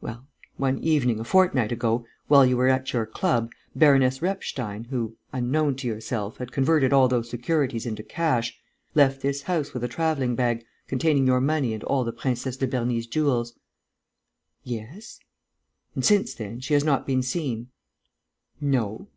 "Well, one evening, a fortnight ago, while you were at your club, Baroness Repstein, who, unknown to yourself, had converted all those securities into cash, left this house with a travelling bag, containing your money and all the Princesse de Berny's jewels?" "Yes." "And, since then, she has not been seen?" "No."